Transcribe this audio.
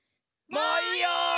もういいよ！